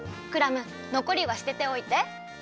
クラムのこりは捨てておいて。